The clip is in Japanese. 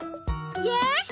よし！